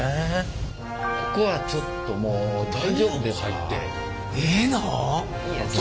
ここはちょっともう大丈夫ですか？